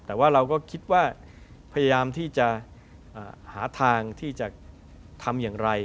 แต่ว่าเราก็คิดว่าพยายามที่จะหาทางที่จะทำอย่างไร